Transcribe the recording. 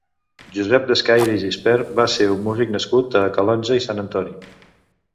Josep Descaire i Gispert va ser un músic nascut a Calonge i Sant Antoni.